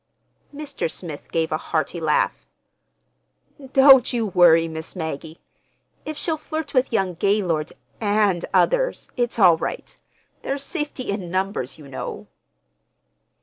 Mr. Smith gave a hearty laugh. "Don't you worry, Miss Maggie. If she'll flirt with young Gaylord and others, it's all right. There's safety in numbers, you know."